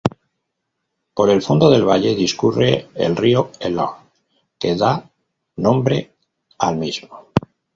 Por el fondo del valle, discurre el río Elorz, que da nombre al mismo.